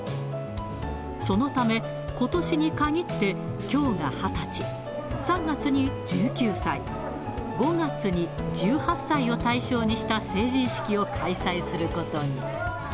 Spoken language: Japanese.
そのためことしにかぎって、きょうが２０歳、３月に１９歳、５月に１８歳を対象にした成人式を開催することに。